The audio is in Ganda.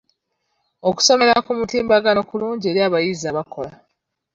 Okusomera ku mutimbagano kulungi eri abayizi abakola.